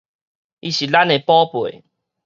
伊是咱的寶貝